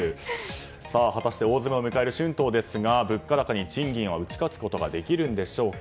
果たして大詰めを迎える春闘ですが物価高日に賃金は打ち勝つことができるんでしょうか。